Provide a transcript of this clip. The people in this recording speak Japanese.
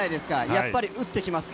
やっぱり打ってきますか？